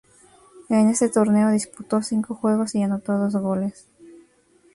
En este torneo disputó cinco juegos y anotó dos goles.